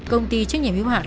công ty trách nhiệm hiếu hạn